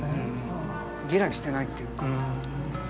ギラギラしてないっていうか。